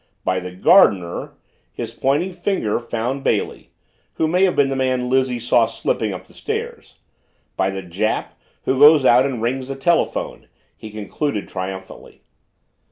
"By the gardener " his pointing finger found Bailey " who may have been the man Lizzie saw slipping up the stairs. By the Jap, who goes out and rings the telephone," he concluded triumphantly.